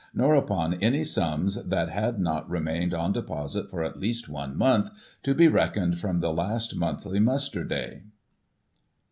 nor upon euiy sums that had not remained on deposit for at least one month, to be reckoned from the last monthly muster day.